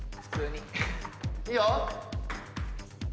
いいよ。